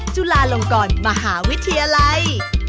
จุฬาลงกรมหาวิทยาลัย